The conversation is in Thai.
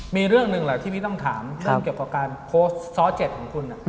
มีเรื่องหนึ่งแหละที่พี่ต้องถามเรื่องเกี่ยวกับการโพสต์ซ้อ๗ของคุณ